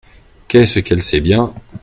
Que ce qu’elle sait bien…